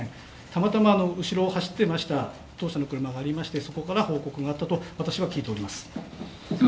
たまたま後ろを走っていました当社の車がありまして、そこから報告があったと私は聞いております。